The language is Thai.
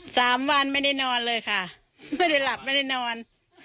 สามวันไม่ได้นอนเลยค่ะไม่ได้หลับไม่ได้นอน